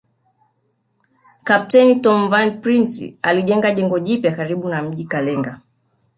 Kapteni Tom von Prince alijenga jengo jipya karibu na mji Kalenga